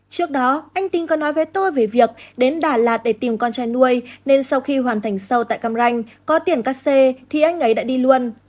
trước đó anh tín có nói với tôi về việc đến đà lạt để tìm con trai nuôi nên sau khi hoàn thành sâu tại càm ranh có tiền cắt xe thì anh ấy đã đi luôn